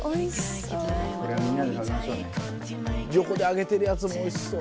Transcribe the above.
横で揚げてるやつもおいしそう！